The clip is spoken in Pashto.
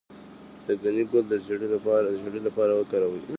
د ګنی ګل د زیړي لپاره وکاروئ